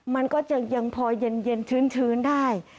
มันก็จะยังพอเย็นชื้นได้